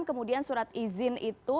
kemudian surat izin itu